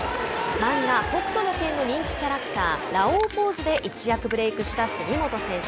漫画「北斗の拳」の人気キャラクター「ラオウ」ポーズで一躍ブレークした杉本選手。